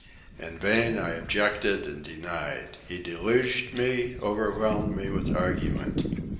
In vain I objected and denied. He deluged me, overwhelmed me with argument.